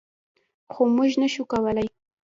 خو موږ نشو کولی.